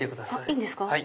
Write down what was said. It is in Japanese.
いいんですか。